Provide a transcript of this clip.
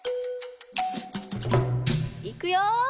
いくよ。